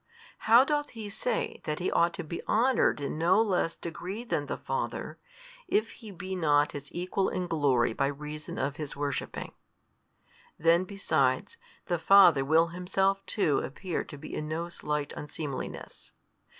how doth He say that He ought to be honoured in no less degree than the Father, if He be not His Equal in glory by reason of His worshipping? Then besides, the Father will Himself too appear to be in no slight unseemliness.